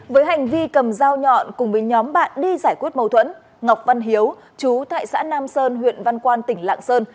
với hành vi cầm dao nhọn cùng với nhóm bạn đi giải quyết mâu thuẫn ngọc văn hiếu chú tại xã nam sơn huyện văn quan tỉnh lạng sơn